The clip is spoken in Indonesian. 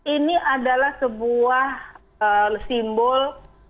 ini adalah sebuah simbol